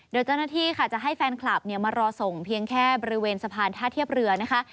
โดยเจ้าหน้าที่ค่ะจะให้แฟนคลับมารอส่งเพียงแค่บริเวณสะพานท่าเทียบเรือนะคะ